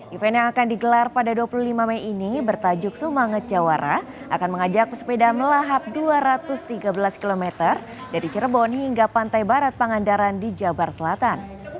event yang akan digelar pada dua puluh lima mei ini bertajuk semangat jawara akan mengajak pesepeda melahap dua ratus tiga belas km dari cirebon hingga pantai barat pangandaran di jabar selatan